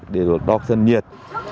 đều được đọc sân nhiệt